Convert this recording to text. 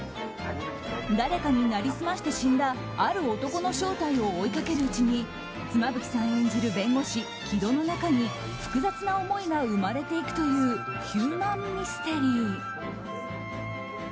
誰かになりすまして死んだある男の正体を追いかけるうちに妻夫木さん演じる弁護士城戸の中に複雑な思いが生まれていくというヒューマンミステリー。